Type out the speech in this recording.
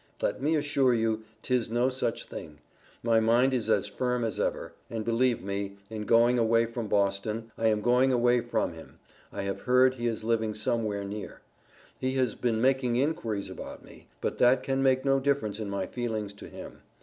Let me assure you 'tis no such thing. My mind is as firm as ever. And believe me, in going away from Boston, I am going away from him, for I have heard he is living somewhere near. He has been making inquiries about me, but that can make no difference in my feelings to him.